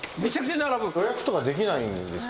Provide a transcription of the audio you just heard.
予約とかできないんですか？